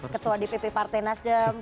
ketua dpp partai nasdem